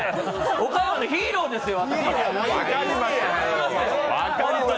岡山のヒーローですよ、本当に。